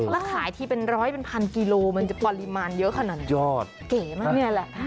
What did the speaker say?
แล้วขายทีเป็นร้อยเป็นพันกิโลมันจะปริมาณเยอะขนาดนี้ยอดเก๋มากเนี่ยแหละ